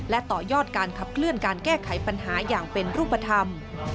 และต่อยอดการขับเคลื่อนการแก้ไขปัญหาอย่างเป็นรูปธรรม